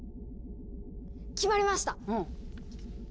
決まりました！せの！